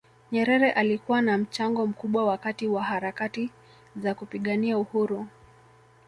nyerere alikuwa na mchango mkubwa wakati wa harakati za kupigania uhuru